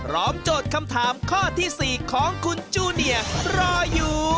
ร้อมจดคำถามข้อที่๔ของคุณจูเนียร์รออยู่